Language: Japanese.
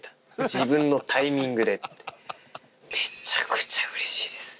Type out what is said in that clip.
自分のタイミングでって、めちゃくちゃうれしいです。